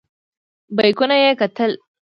بیکونه یې کتل.